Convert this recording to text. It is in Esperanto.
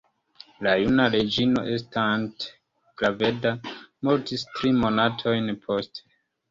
La juna reĝino, estante graveda, mortis tri monatojn poste.